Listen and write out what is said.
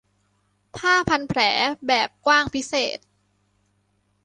ผ้าพันแผลแบบกว้างพิเศษ